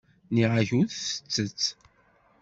Nniɣ-ak ur tettett.